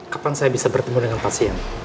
kapan saya bisa bertemu dengan pasien